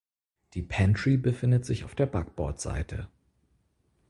Die Pantry befindet sich auf der Backbord Seite.